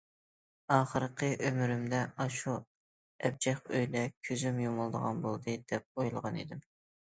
ئاخىرقى ئۆمرۈمدە ئاشۇ ئەبجەق ئۆيدە كۆزۈم يۇمۇلىدىغان بولدى، دەپ ئويلىغانىدىم.